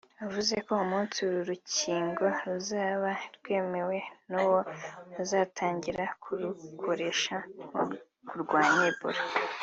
wavuze ko umunsi uru rukingo ruzaba rwemewe na wo uzatangira kurukoresha mu kurwanya Ebola